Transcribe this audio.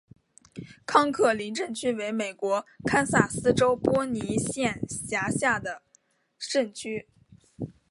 康克林镇区为美国堪萨斯州波尼县辖下的镇区。